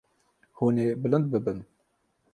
Hûn ê bilind bibin.